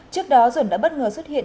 trước đó dẫn đã bất ngờ xuất hiện